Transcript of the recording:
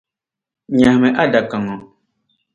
Nyɛhimi adaka ŋɔ.